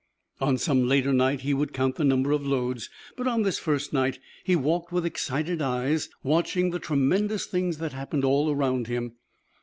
On some later night he would count the number of loads. But on this first night he walked with excited eyes, watching the tremendous things that happened all around him.